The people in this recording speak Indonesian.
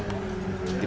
tim liputan cnn indonesia